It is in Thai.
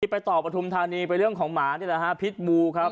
ไปต่อปฐุมธานีไปเรื่องของหมานี่แหละฮะพิษบูครับ